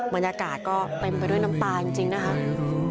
บรรยากาศก็เต็มไปด้วยน้ำปลาจริงจริงนะคะ